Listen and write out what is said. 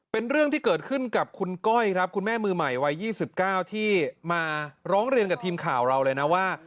เป็นเรื่องที่เกิดขึ้นกับคุณก้อยครับคุณแม่มือใหม่วัย๒๙ที่มาร้องเรียนกับทีมข่าวเราเลยนะว่า